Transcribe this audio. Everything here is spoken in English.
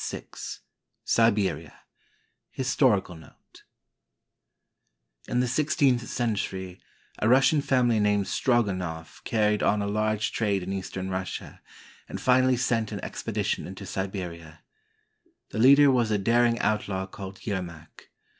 VI SIBERIA HISTORICAL NOTE In the sixteenth century, a Russian family named Strogo noff carried on a large trade in eastern Russia, and finally sent an expedition into Siberia. The leader was a daring outlaw called Yermak.